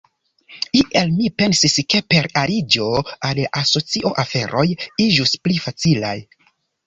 Iel mi pensis ke per aliĝo al la asocio, aferoj iĝus pli facilaj.